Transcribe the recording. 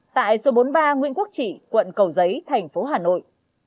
tại số bốn mươi ba nguyễn quốc trị quận cầu giấy thành phố hà nội